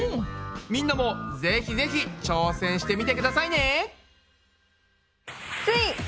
みんなもぜひぜひ挑戦してみてくださいね！